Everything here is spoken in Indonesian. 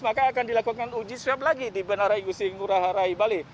maka akan dilakukan uji swab lagi di bandara igusti ngurah rai bali